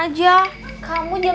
kamu jam segini baru bangun